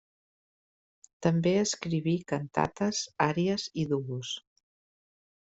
També escriví cantates, àries i duos.